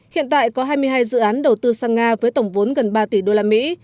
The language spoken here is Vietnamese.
hiện tại có hai mươi hai dự án đầu tư sang nga với tổng vốn gần ba tỷ đô la mỹ